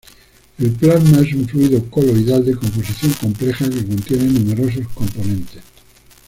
El plasma es un fluido coloidal de composición compleja que contiene numerosos componentes.